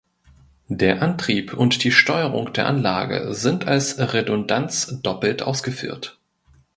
Der Antrieb und die Steuerung der Anlage sind als Redundanz doppelt ausgeführt.